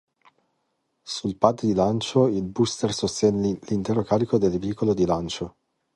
Sul pad di lancio, il booster sostiene l'intero carico del veicolo di lancio.